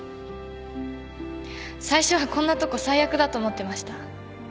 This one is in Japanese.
最初はこんなとこ最悪だと思ってました。